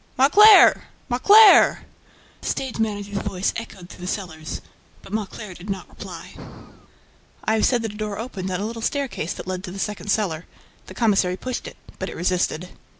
"Mauclair! Mauclair!" The stage manager's voice echoed through the cellars. But Mauclair did not reply. I have said that a door opened on a little staircase that led to the second cellar. The commissary pushed it, but it resisted.